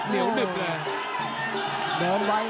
เหนียวดึกเลย